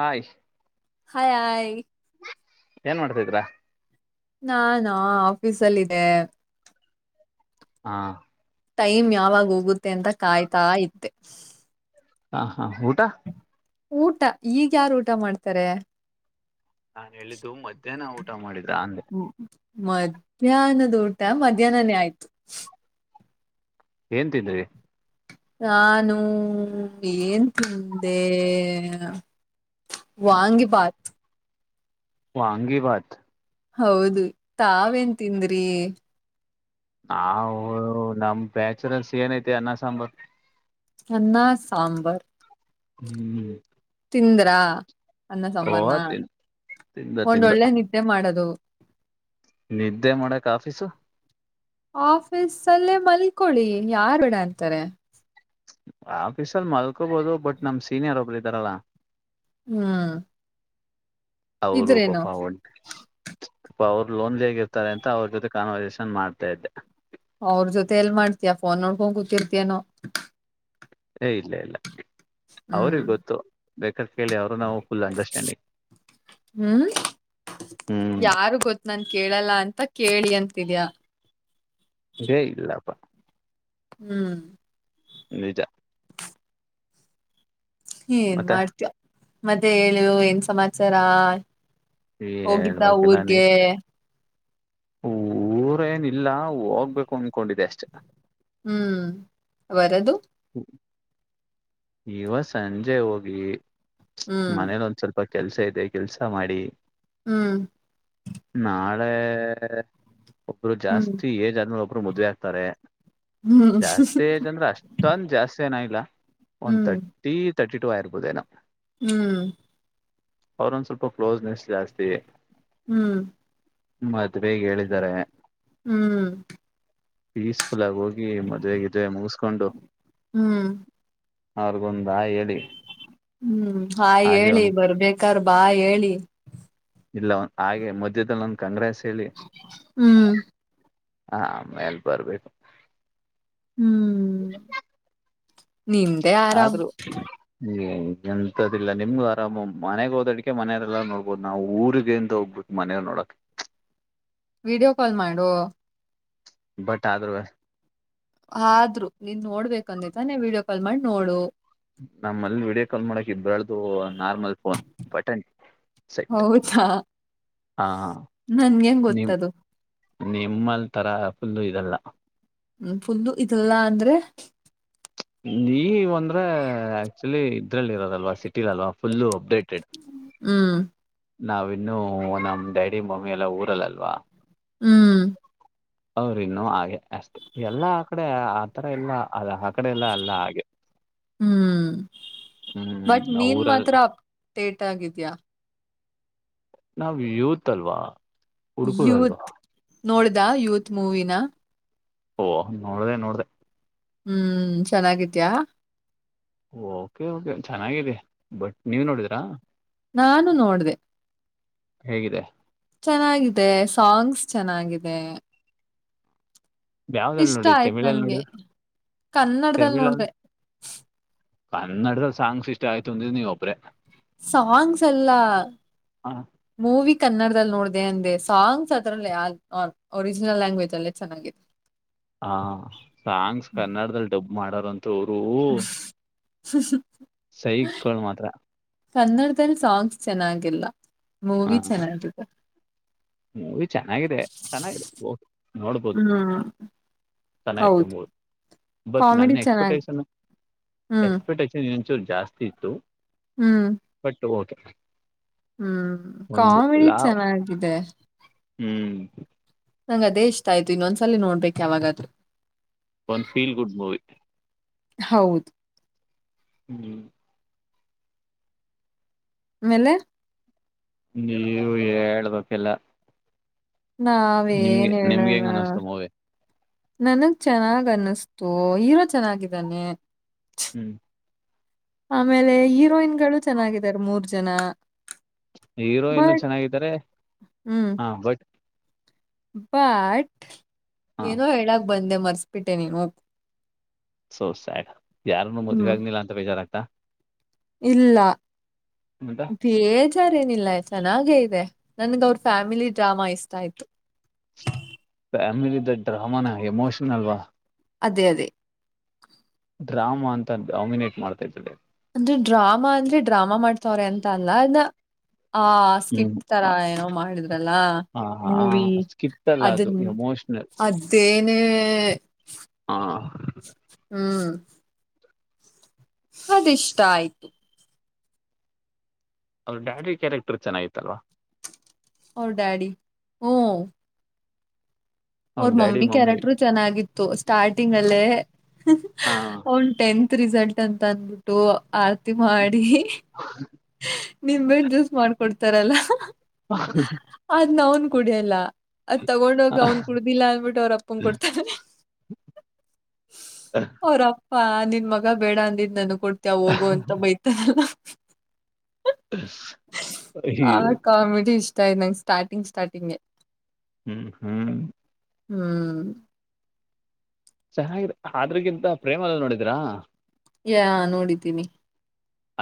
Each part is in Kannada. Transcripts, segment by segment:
ಹಾಯ್. [inaudible] ಹಯ್, ಆಯ್. [inaudible] ಏನ್, ಮಾಡುತಾಧೀರ? [inaudible] ನಾನಾ, ಆಫೀಸಲ್ಲಿದೇ? [inaudible] ಹಾ. [inaudible] ಟೈಮ್, ಯಾವಾಗ ಹೋಗುತ್ತೆ! ಅಂತ ಕಾಯ್ತಾ ಇದ್ದೆ? [inaudible] ಹಾ, ಹಾ, ಊಟ. [inaudible] ಊಟ, ಈಗ್ಯಾರು ಊಟ ಮಾಡ್ತಾರೆ? [inaudible] ನಾನ್, ಹೇಳಿದ್ದು ಮಧ್ಯಾಹ್ನ ಊಟ ಮಾಡಿದ್ದು? [inaudible] ಹ್ಮ್ಮ್, ಮಧ್ಯಾಹ್ನದ ಊಟ ಮಧ್ಯಾಹ್ನನೇ ಆಯ್ತು? [inaudible] ಏನ್, ತಿಂದರಿ? [inaudible] ನಾನು, ಏನ್? [inaudible] ಬೇರೆ ವಾಂಗಿಬಾತ್? [inaudible] ವಾಂಗಿಬಾತ್! [inaudible] ಹೌದು, ತಾವೇನ್ ತಿಂದ್ರಿ? [inaudible] ನಾವು, ನಮ್ಮ ಬ್ಯಾಚುಲರ್ಸ್ಗೆ, ಏನಾಯ್ತು ಅನ್ನ ಸಾಂಬಾರ್! [inaudible] ಅನ್ನ, ಸಾಂಬರ್. [inaudible] ಹ್ಮ್. [inaudible] ತಿಂದ್ರ, ಅನ್ನ ಓ ಸಾಂಬಾರನ! ತಿನ್ ತಿಂದ ಒಂದು ತಿಂದ ಒಳ್ಳೆ ನಿದ್ದೆ ಮಾಡೋದು? [inaudible] ನಿದ್ದೆ, ಮಾಡೋಕೆ, ಆಫೀಸ್. [inaudible] ಆಫೀಸಲ್ಲಿ ಮಲ್ಕೊಂಡಿದ್ದೀನಿ, ಯಾರು, ಕೇಳುತ್ತಾರೆ? [inaudible] ಆಫೀಸಲ್ಲಿ, ಮಲ್ಕೊಬೋಹುದು, ಬಟ್ ನಮ ಸೀನಿಯರ್, ಒಬ್ಬರು ಇದ್ದಾರಲ್ಲ? [inaudible] ಹ್ಮ್. [inaudible] ಅವರು, ಇದ್ರೇನು ಪಪ, ಉಂಟು? [inaudible] ಅವ್ರರು, ಲೋನ್ಲಿ, ಇರುತ್ತಾರೆ, ಅಂತ,, ಅವ್ರ ಜೊತೆ, ಕಾನ್ವರ್ಸೇಷನ್, ಮಾಡ್ತಾ, ಇದ್ದೆ? [inaudible] ಅವ್ರ, ಜೊತೆ ಎಲ್ಲಿ, ಮಾಡ್ತೀಯ, ಫೋನ್ ನೋಡ್ಕೊಂಡ್, ಕುಂತುರುತಿಯೆಯೇನೋ? [inaudible] ಏ, ಇಲ್ಲ, ಇಲ್ಲ, ಹ್ಮ್ ಅವ್ರಿಗೆ ಗೊತ್ತು ಬೇಕ? [inaudible] ಕೇಳಿ, ಅವರು ನಾವು! ಫುಲ್ ಅಂಡರ್ಸ್ಟ್ಯಾಂಡಿಂಗ್, ಹ್ಮ್ ಹ್ಮ್? [inaudible] ನಾನು, ಕೇಳಲ್ಲ ಅಂತ ಕೇಳಿ ಅಂತಿದ್ಯಾ? [inaudible] ಏ, ಇಲ್ಲಪ್ಪ? [inaudible] ಹ್ಮ್. [inaudible] ನಿಜ? [inaudible] ಹ, ಏನ್ ಮತ್ತೆ ಮಾಡ್ತೀಯ! ಮತ್ತೆ, ಹೇಳು ಏನ್ ಸಮಾಚಾರ? [inaudible] ಹೋಗಿದ್ದ, ಹೇಳ್ಬೇಕಲ್ಲ ಊರಿಗೆ? [inaudible] ಊರೇಏನಿಲ್ಲ, ಹೋಗ್ಬೇಕು! ಅನ್ಕೊಂಡಿದೆೆ ಅಷ್ಟೆ? [inaudible] ಹ್ಮ್, ಬಾರದು? [inaudible] ಇವ, ಸಂಜೆ ಹೋಗಿ! ಹ್ಮ್ ಮನೇಲಿ ಒಂದ್ ಸ್ವಲ್ಪ? [inaudible] ಕೆಲಸಾ, ಇದೆ ಕೆಲ್ಸ ಮಾಡಿ? [inaudible] ಹ್ಮ್. [inaudible] ಳೆ, ಒಬ್ರು ಹ್ಮ್ ಜಾಸ್ತಿ ಏಜ್ ಆದ್ಮೇಲೆ! ಒಬ್ರು ಮದುವೆ, ಆಗ್ತಾರೆ? [inaudible] ಜಾಸ್ತಿ, ಏಜ್, ಅಂದ್ರೆ, ಅಸು? [inaudible] ಜಾಸ್ತಿ, ಏನು, ಆಗಿಲ್ಲ, ಒಂದ್, ಹ್ಮ್ ತರ್ಟಿ, ತರ್ಟಿ, ಟು, ಆಗಿರುಬೋಹುದು? [inaudible] ಹ್ಮ್. [inaudible] ಅವರೊಂದು, ಸ್ವಲ್ಪ ಕ್ಲೋಸ್ನೆಸ್, ಜಾಸ್ತಿ? [inaudible] ಹ್ಮ್. [inaudible] ಮದ್ವೆಗ್ ಹೇಳಿದರೆ. ಹ್ಮ್ ಪೀಸ್ಫುಲ್ ಆಗಿ ಹೋಗಿ ಮದ್ವೆ ಗಿದ್ವೆ ಮುಗಿಸಕೊಂಡು. ಹ್ಮ್ ಅವ್ರಗೊಂದ್ ಹಾಯ್ ಹೇಳಿ. ಹ್ಮ್ ಹಾಯ್ ಹಾಗೆ ಹೇಳಿ ಒಂದ ಬರ್ಬೇಕಾರ್ ಬಾಯ್ ಹೇಳಿ. ಇಲ್ಲ ಹಾಗೆ ಮಧ್ಯದಲ್ಲಿ ಒಂದಂದು ಕಂಗ್ರೆಸ್. ಹ್ಮ್ ಹಾ ಆಮೇಲೆ ಬರ್ಬೇಕು. ಹ್ಮ್ ನಿಂದೆ ಆರಾಮ್. ಆದ್ರೂ ಏ ಎಂತದಿಲ್ಲ ನಿಮ್ದು ಆರಾಮ ಮನೆಗ್ ಹೋದ ಅಡಿಕೆ ಮನೆಯಲ್ಲ ನೋಡ್ಬೋದು ನಾವು ಊರ್ಗಂತ ಹೋಗ್ಬಿಟ್ ಮನೆ‌. ನೋಡಕ್ ವಿಡಿಯೋ ಕಾಲ್ ಮಾಡು. ಬಟ್ ಆದರುವೆ. ಆದ್ರು ನೀನ್ ನೋಡ್ಬೇಕಂದೈತ ನೀ ವಿಡಿಯೋ ಕಾಲ್ ಮಾಡಿ ನೋಡು. ನಮ್ಮಲ್ಲಿ ವೀಡಿಯೋ ಕಾಲ್ ಮಾಡಕ್ ಇಬ್ರ್ದು ನಾರ್ಮಲ್ ಫೋನ್ ಬಟನ್. ಸೆಟ್ ಹೌದಾ. ಹಾ ನನ್ಗೆ ಹೆಂಗ ನಿಮ್ ಗೊತ್ತದು. ನಿಮ್ಮಲ್ ತರ ಫುಲ್ಲ ಇರಲ್ಲ. ಫುಲ್ಲ ಇರಲ್ಲ ಅಂದ್ರೆ. ನೀ ಅಂದ್ರೆ ಆಕ್ಚುಲಿ ಇದ್ರಲ್ಲಿ ಇರೋದಲ್ವಾ ಸಿಟಿಲಲ್ವ ಫುಲ್ಲು ಅಪ್ಡೇಟೆಡ್. ಹ್ಮ್. ನಾವಿನ್ನುೂ ನಮ್ಮ್ ಡ್ಯಾಡಿ ಮಮ್ಮಿ ಎಲ್ಲ ಊರಲ್ಲಲ್ವಾ. ಹ್ಮ್. ಅವ್ರ ಇನ್ನು ಹಾಗೆ ಅಷ್ಟೇ ಎಲ್ಲಾ ಆ ಕಡೆ ಆತರ ಎಲ್ಲ ಅದ ಹಾಕ ಕಡೆ ಎಲ್ಲಾ ಅಲ್ಲ ಹಾಗೆ. ಹ್ಮ್ ಬಟ್ ಹ್ಮ್ ನೀನ್ ಮಾತ್ರ ಊರಲ್ಲಿ ಅಪ್ಡೇಟ್ ಆಗಿದ್ಯಾ. ನಾವ್ ಯೂತ್ ಅಲ್ವಾ. ಹುಡುಕೂರು ಅಲ್ವಾ ಯೂತ್ ನೋಡ್ದ ಯೂತ್ ಮೂವಿನ. ಓಹ ನೋಡದೆ ನೋಡದೆ. ಹ್ಮ್ ಚೆನ್ನಾಗಿದಿಯ. ಓಕೆ ಓಕೆ ಚೆನ್ನಾಗಿದೆ ಬಟ್ ನೀವ್ ನೋಡಿದಿರಾ. ನಾನು ನೋಡ್ದೆ. ಹೇಗಿದೆ. ಚೆನ್ನಾಗಿದೆ ಸಾಂಗ್ಸ್ ಚೆನ್ನಾಗಿದೆ. ಯಾವ್ದ್ರಲ್ಲಿ ಇಷ್ಟ ನೋಡಿ ಆಯ್ತ್ ತಮಿಳಲ್ಲಿ ನನ್ಗೆ ನೋಡಿದ್ರ ಕನ್ನಡದಲ್ಲಿ ನೋಡ್ದೆ. ಕನ್ನಡದ ಸಾಂಗ್ಸ್ ಇಷ್ಟ ಆಯ್ತುಂದಿ ನೀವ ಒಬ್ರೆ. ಸಾಂಗ್ಸ್ ಅಲ್ಲ ಹ ಮೂವಿ. ಕನ್ನಡದಲ್ಲಿ ನೋಡ್ದ ಅಂದೆ ಸಾಂಗ್ಸ್ ಅದರಲ್ಲ ಒರಿಜಿನಲ್ ಲ್ಯಾಂಗ್ವೇಜ್ ಅಲ್ಲೇ ಚೆನ್ನಾಗಿದೆ. ಹಾ ಸಾಂಗ್ಸ್ ಕನ್ನಡದಲ್ಲಿ ಡಬ್ ಮಾಡಾರಂತ ಅವರು. ಹ್ಮ್ ಹಮ್. [unintelligible] ಮಾತ್ರ. ಕನ್ನಡದಲ್ಲಿ ಸಾಂಗ್ಸ್ ಚೆನ್ನಾಗಿಲ್ಲ ಹ ಮೂವಿ ಚೆನ್ನಾಗಿದೆ. ಮೂವಿ ಚೆನ್ನಾಗಿದೆ ಚೆನ್ನಾಗಿದೆ ಇರಬಹುದು ನೋಡ್ಬೋದು. ಹ್ಮ್ ಚೆನ್ನಾಯ್ತು ಹೌದು ಮೂರು ಬಟ್ ಕಾಮಿಡಿ ನನ್ನ ಚೆನ್ನಾಗಿ ಎಕ್ಸ್ಪೆಕ್ಟೇಷನ್ ಹ್ಮ್ ಎಕ್ಸ್ಪೆಕ್ಟಷನ್ ಇಚೂ ಜಾಸ್ತಿ ಇತ್ತು ಹ್ಮ್ ಬಟ್ ಹ್ಮ್ ಒಂದು ಕಾಮಿಡಿ ಲಾ ಚೆನ್ನಾಗಿದೆ. ಹ್ಮ್. ನಂಗ್ ಅದೇ ಇಷ್ಟ ಆಯ್ತು ಇನ್ನೊಂದ್ಸಲ ನೋಡ್ಬೇಕೇಕ್ ಯಾವಾಗಾದರು. One feel good movie. ಹೌದು. ಹ್ಮ. ಆ ಮೇಲೆ. ನೀವು ಹೇಳ್ಬೇಕೆಲ್ಲ. ನಿಮ್ಗೆ ನಾವೇಏನ್ ನಿಮ್ಗೆ ಹೇಳೋಣ. ಹೆಂಗ್ ಅನ್ನಿಸ್ತು ಮೂವಿ ನನಗ್ ಚೆನ್ನಾಗ್ ಅನ್ನಿಸ್ತು ಹೀರೋ ಚೆನ್ನಾಗಿದ್ದಾನೆ. ಹ್ಮ್. ಆಮೇಲೆ ಹೀರೋಯಿನ್ ಗಳು ಚೆನ್ನಾಗಿದ್ದಾರೆ ಮೂರ್ ಜನ. ಹೀರೋ ಇನ್ನು ಬಟ್ ಚೆನ್ನಾಗಿದ್ದಾರೆ ಹ್ಮ್ ಹ ಬಟ್ ಬಟ್ ಹಾ ಏನೋ ಹೇಳಕ್ ಬಂದೆ ಮರ್ಸ್ಬಿಟ್ಟೆ ನೀನು. ಸೊ ಸ್ಯಾಡ್ ಯಾರುನು ಮದ್ಗ ಹ್ಮ್ ಆಗನಿಲ್ಲ ಅಂತ ಬೇಜಾರಾಯ್ತ. ಇಲ್ಲ ಅಂತ ಬೇಜ್ ಸರಿನಿಲ್ಲ ಚೆನ್ನಾಗೇ ಇದೆ ನನ್ಗ ಅವ್ರ ಫ್ಯಾಮಿಲಿ ಡ್ರಾಮಾ ಇಷ್ಟ ಆಯ್ತು. ಫ್ಯಾಮಿಲಿ ಡ್ರಾಮಾನ ಎಮೋಷನಲ್ವಾ. ಅದೇ ಅದೇ ಡ್ರಾಮ ಅಂತ ಡಾಮಿನೇಟ್ ಮಾಡ್ತಾ ಇದಳಾರೆ ಅದು ಡ್ರಾಮಾ ಅಂದ್ರೆ ಡ್ರಾಮಾ ಮಾಡ್ತವ್ರೆ ಅಂತ ಅಲ್ಲ ಅನ್ನ ಹ ಸ್ಕಿಟ್ ಹ್ಮ್ ತರ ಏನೋ ಮಾಡಿದ್ರಲ್ಲ ಹ ಸ್ಕಿಪ್ ಅಲ್ಲ ಅದು ಎಮೋಷ ಅದೇನೆ ಹ ಹ್ಮ್ ಅದಿಷ್ಟ ಆಯ್ತು ಅ್ರ ಡ್ಯಾಡ್ರಿ ಕ್ಯಾರೆಕ್ಟರ್ ಚೆನ್ನಾಗಿತ್ತಲ್ವಾ ಅವ ಡಾಡಿ ಹ್ಮ ಅವ್ರ ಮಮ್ಮಿ ಕ್ಯಾರೆಕ್ಟರು ಚೆನ್ನಾಗಿತ್ತು ಸ್ಟಾರ್ಟಿಂಗ್ ಅಲ್ಲೇ ಹ ಅವನ್ ಟೆಂತ್ ರಿಸಲ್ಟ್ ಅಂತ ಅಂದಬಿಟ್ಟು ಆರ್ತಿ ಮಾಡಿ ಹ ನಿಮ್ ಬೇ ಜ್ಯೂಸ್ ಮಾಡ್ಕೊಡ್ತಾರಲ್ಲ ಹ ಅದ್ನ ಅವ್ನ್ ಕುಡಿಯಲ್ಲ ಅದ್ ತಗೊಂಡೋಗ ಅವ್ನ್ ಕುಡ್ದಿಲ್ಲ ಅನ್ಬಿಟ್ಟು ಅವ್ರ ಅಪ್ಪನ್ ಕೊಡ್ತಾರೆ ಅವರ ಹಾ ನಿನ್ ಮಗ ಬೇಡ ಅಂದಿದ್ ನನ ಕೊಡ್ತಾವ ಹೋಗು ಅಂತ ಬೈತಾರಲ್ಲ ಆ ಅಯ್ಯೋ ಕಾಮಿಡಿ ಇಷ್ಟ ಸ್ ಸ್ಟಾರ್ಟಿಂಗ್ ಸ್ಟಾರ್ಟಿಂಗ್ ಹ್ಮ್ ಹ್ಮ್ ಹ್ಮ್ ಚೆನ್ನಾಗಿ ಆದ್ರಗಿಂತ ಪ್ರೇಮ ಅಲ್ಲ ನೋಡಿದಿರಾ ಯಾ ನೋಡಿದ್ದೀನಿ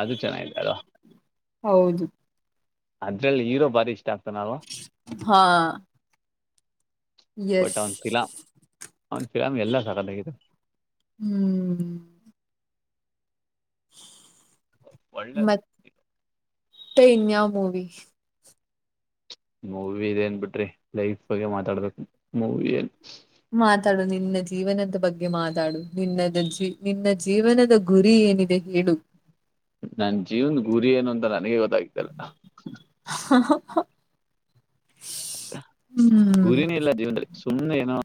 ಅದು ಚೆನ್ನಾಗಿದ್ದಾಳು ಹೌದು ಅದ್ರಲ್ಲಿ ಹರೋ ಬಾರಿ ಇಷ್ಟ ಆಗ್ತಾನಲ್ವಾ ಹಾ ಎಸ್ ಅವನ್ ಫಿರಾಮಿ ಎಲ್ಲ ಸಾಕಾಲಾಗಿತ್ತು ಹ್ಮ್ [inaudible] ಒಳ್ಳೆ ಇದು ಇನ್ ಮೂವಿ ಮೂವಿ ಇ ಏನ್ ಬಿಿಟ್ರಿ ಲೈಫ್ ಬಗ್ಗೆ ಮಾತಾಡ್ಬೇಕು ಮೂವಿಲ್ಲಿ ಮಾತಾಡು ನಿನ್ನ ಜೀವನದ ಬಗ್ಗೆ ಮಾತಾಡು ನಿನ್ನ ಜ ನಿನ್ನ ಜೀವನದ ಗುರಿ ಏನಿದೆ ಹೇಳು ನನ್ ಜೀವನ್ ಗುರಿ ಏನು ಅಂತ ನನಗೆ ಗೊತ್ತಾಗ್ತಲ್ಲ [unintelligible] ಹ್ಮ್ ಗುರಿನೇ ಇಲ್ಲ ಜೀವನದಲ್ಲಿ ಸುಮ್ಮನೆ ಏನೋ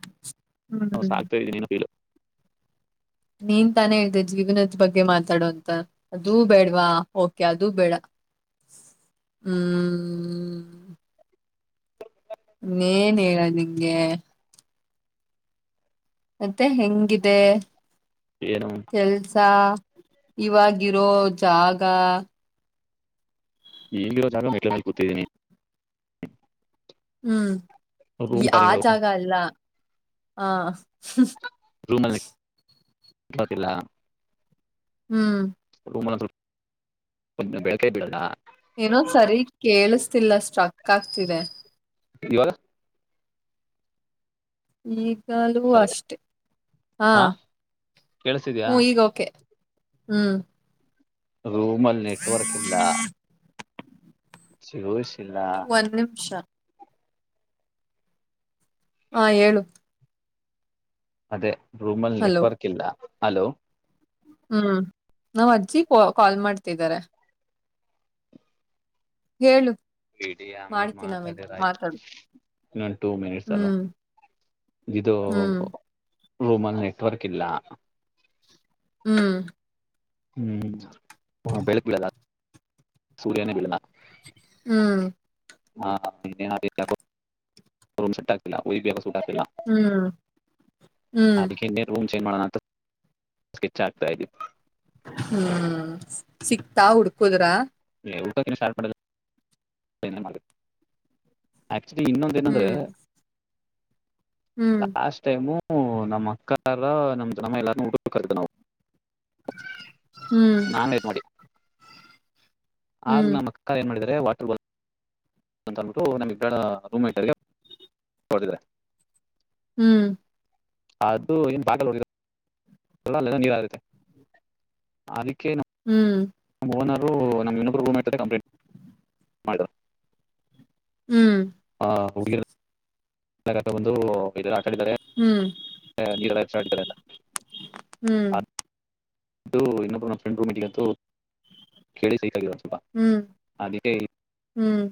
ಹ್ಮ್ ಸಾಕ್ತಾ ಇದ್ದೀನಿನಲು ನೀನ್ ತಾನೇ ಹೇಳ್ ಜೀವನದ ಬಗ್ಗೆ ಮಾತಾಡೋಂತ ಅದೂ ಬೇಡವಾ ಓಕೆ ಅದೂ ಬೇಡ [inaudible] ಹ್ಮ ಏನ್ ಹೇಳ ನಿಂಗೆ ಮತ್ತೆ ಹೆಂಗಿದೆ ಏನೋ ಕೆಲ್ಸ ಇವಾಗ ಇರೋ ಜಾಗ ಎಲ್ಲಿರೋ ಜಾಗ ಮೆಟ್ಲೆ ಮಲೆ ಕೂತಿದ್ದೀನಿ ಹ್ಮ್ ರೂಮ್ ಆ ಖಾಲಿ ಮಾಡ್ಬೇಕು ಜಾಗ ಅಲ್ಲ ರೂಮ್ ಅಲ್ಲಿ [inaudible] ಹ್ಮ್ [unintelligible] ಸ ಏನೋ ಸರಿ ಕೇಳಿಸ್ತಿಲ್ಲಾ ಸ್ಟ್ರಕ್ ಆಗ್ತಿದೆ. ಇವಾಗ ಈಗ್ ಇವಾಗ್ಲೂ ಅಷ್ಟೆ ಹಾ ಕೇಳಸ್ತಿದ್ಯಾ ಹು ಈಗ ಓಕೆ. ಹ್ಮು ರೂಮಲ್ಲಿ ನೆಟ್ವರ್ಕ್ ಇಲ್ಲಾ. [unintelligible] ಒಂದ್ ನಿಮಿಷ. ಹಾ ಹೇಳು. ಅದೇ ರೂಮಲ್ಲಿ ನೆಟ್ವರ್ಕ್ ಇಲ್ಲ ಹಲೋ. ಹ್ಮು ನಮ್ಮ ಅಜ್ಜಿ ಕಾ ಕಾಲ್ ಮಾಡ್ತಿದ್ದಾರೆ. ಹೇಳು ಇಡಿ ಆಮೇಲೆ ಮಾಡ್ತೀನಿ ಆಮೇಲೆ ಮಾತಾಡೋರ್ ಮಾತಾಡು ಅಯ್ತಂತೆ. ಟೂ ಮಿನಿಟ್ಸ್ ಅಲ್ಲ ಹ್ಮ್ ಇದು ಹ್ಮ್ ರೂಮಲ್ಲಿ ನೆಟ್ವರ್ಕ್ ಇಲ್ಲಾ. ಹ್ಮು ಹ್ಮು [unintelligible] ಹ್ಮು ಹಾ ಯಾರಿದ್ದಾಗೋ ರೂಮ್ [unintelligible] ಹ್ಮು ಅದಕ್ಕೆ ಇನ್ನೇನ ರೂಮ್ ಚೇಂಜ್ ಮಾಡೋಣ ಅಂತ ಸ್ಕೆಚ್ ಹಾಕ್ತಾ ಇದ್ದೀನಿ. ಹ್ಮು ಸಿಕ್ತಾ ಹುಡ್ಕುದ್ರಾ. [unintelligible] ಇನ್ನೊಂದ ಏನಂದ್ರೆ ಹ್ಮ್ ಹ್ಮ್ ಲಾಸ್ಟ್ ಟೈಮು ನಮ್ಮ್ ಅಕ್ಕಾರ ನಮ್ ತಮ್ಮ ಎಲ್ಲಾರ ಊಟಕ್ [unintelligible] ನಾವು. ಹ್ಮ್ ನಾನ್ವೆಜ್ ಮಾಡಿ ಆಗ ಹ್ಮ್ ನಮ್ಮ ಅಕ್ಕ ಏನ್ ಮಾಡಿದರೆ ವಾಟರ್ಬಾಲ್ [unintelligible] ಹ್ಮು ಅದು ಏನ್ ಬಾಗಲ್ [unintelligible] [unintelligible] ಓಕೆ ಹ್ಮ್ ನಮ್ಮ ಓನರ್ ನಮ್ಮ ಇನ್ನೊಬ್ರು ರೂಮ್ [unintelligible] ಮಾಡುವ ಹ್ಮು ಹಾ ಹೋಗಿದಾರೆ. [inaudible] [inaudible] ಹ್ಮ್ [unintelligible] ಅದು ಇನ್ನೊಬ್ ನನ್ನ ಫ್ರೆಂಡ್ ರೂಮ್ [unintelligible] ಹ್ಮ್ ಅದಕ್ಕೆ ಹ್ಮ್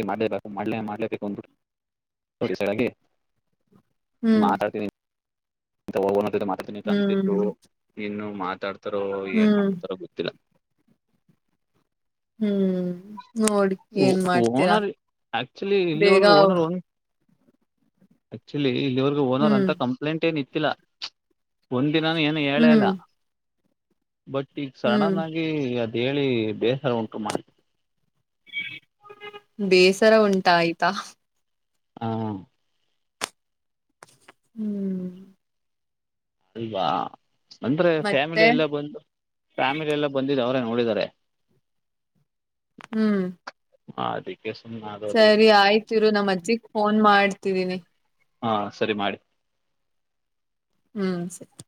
[unintelligible] ಮಾಡ್ಲೆ ಮಾಡ್ಲೇಬೇಕ ಅಂದ್ಬಿಟ್ಟು ಡಿಸೈಡ್ ಆಗಿ ಹ್ಮ್ ಮಾತಾಡ್ತೀನಿ. ಇಂತ ಒನ್ ಓನರ್ ಜೊತೆ ಮಾತಾಡ್ತೀನಿ ಅಂತ ಹ್ಮ್ ಅನಿಸ್ತಿತ್ತು ಹ್ಮ್ ಇನ್ನು ಮಾ ರೋ ಏನ್ ಹ್ಮ್ ಮಾಡ್ತಾರೋ ಗೊತ್ತಿಲ್ಲ. ಹ್ಮು ನೋಡ್ ಏನ್ ಮಾಡ್ತೀರಾ ಓನರ್ ಆಕ್ಚುಲಿ ಬೇಗ ಇಲ್ಲಿವರೆಗೂ ಓನರ್ ಒಂದ್ ಆಕ್ಚುಲಿ ಇಲ್ಲಿವರ್ಗ ಓನ ಹ್ಮ್ ಒಂದಿನಾನು ಏನು ಹೇಳೆ ಹ್ಮ್ ಇಲ್ಲಾ. ಬಟ್ ಈಗ ಹ್ಮ್ ಸಡನ್ ಆಗಿ ಅದ ಹೇಳಿ ಬೇಸರ ಉಂಟು ಮಾಡಿ ಬೇಸರ ಉಂಟ ಆಯ್ತಾ. ಹಾ ಹ್ಮ್ ಅಲ್ವಾ ಅಂದ್ರೆ ಫ್ಯಾಮಿಲಿ ಮತ್ತೆ ಎಲ್ಲ ಬಂದು ಫ್ಯಾಮಿಲಿ ಎಲ್ಲ ಬಂದಿದ್ದ ಅವ್ರೇ ನೋಡಿದಿದ್ದಾರೆ ಹ್ಮ್ ಹ ಅದ ಸರಿ ಆಯ್ತರು ನಮ್ಮ ಅಜ್ಜಿಗ್ ಫೋನ್ ಮಾಡ್ತಿದೀನಿ. ಹಾ ಸರಿ ಮಾಡಿ ಹ್ಮ್ ಸರಿ